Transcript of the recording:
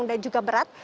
anda juga berat